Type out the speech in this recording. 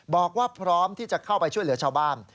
บอกว่าพร้อมที่จะเข้าไปช่วยเหลือชาวบ้าน